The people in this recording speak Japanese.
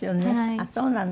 あっそうなの。